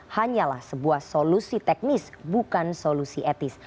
hanyalah sebuah solusi teknis bukan solusi etis